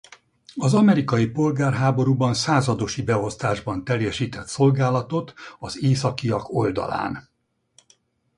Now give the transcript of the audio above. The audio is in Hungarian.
Az amerikai polgárháborúban századosi beosztásban teljesített szolgálatot az északiak oldalán.